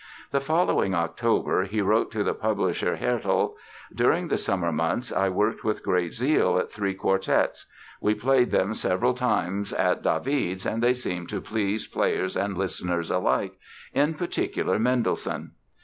The following October he wrote to the publisher, Haertel: "During the summer months I worked with great zeal at three quartets.... We played them several times at David's and they seemed to please players and listeners alike, in particular Mendelssohn...."